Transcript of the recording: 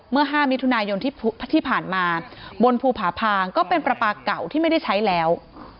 เมื่อ๕มิถุนายนที่ผ่านมาบนภูผาพางก็เป็นปลาปลาเก่าที่ไม่ได้ใช้แล้ว